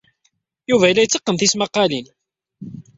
Yuba yella yetteqqen tismaqqalin.